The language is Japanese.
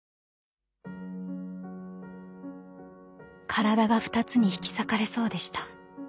［体が２つに引き裂かれそうでした］